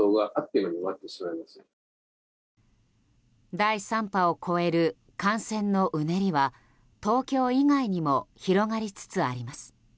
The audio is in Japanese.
第３波を超える感染のうねりは東京以外にも広がりつつあります。